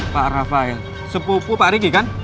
pak rafael sepupu pak riki kan